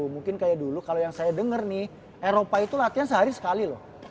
mungkin kayak dulu kalau yang saya dengar nih eropa itu latihan sehari sekali loh